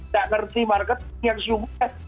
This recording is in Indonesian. tidak mengerti marketing yang semuanya